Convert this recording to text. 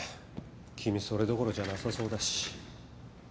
君それどころじゃなさそうだし。